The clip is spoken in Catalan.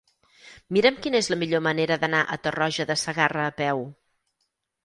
Mira'm quina és la millor manera d'anar a Tarroja de Segarra a peu.